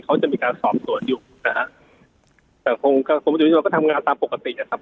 เขาจะมีการสอบสวนอยู่นะฮะแต่กรมอุตุนิยมก็ทำงานตามปกตินะครับ